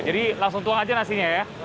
jadi langsung tuang aja nasinya ya